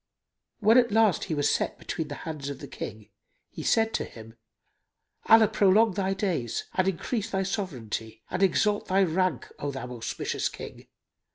When at last he was set between the hands of the King he said to him, "Allah prolong thy days and increase thy sovranty and exalt thy rank, O thou auspicious King!